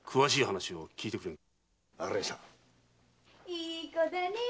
・いい子だね！